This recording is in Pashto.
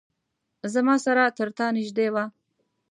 زما سره ترتا نیژدې وه